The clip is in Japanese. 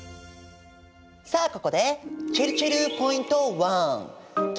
さあここでちぇるちぇるポイント１。